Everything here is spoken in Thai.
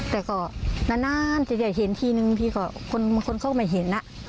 แต่ก็นานจะเห็นที่นึงมีคนเข้ามาเห็น